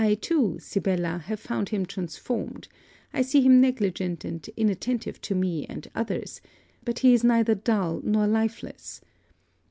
I too, Sibella, have found him transformed. I see him negligent and inattentive to me and others; but he is neither dull nor lifeless.